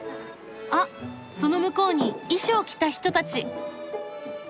あっその向こうに衣装着た人たち！